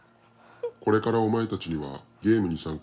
これからお前たちにはゲームに参加してもらう。